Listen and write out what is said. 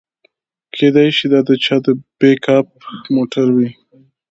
کیدای شي دا د چا د پیک اپ موټر وي